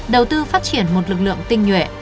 đầu tư phát triển một lực lượng tinh nhuệ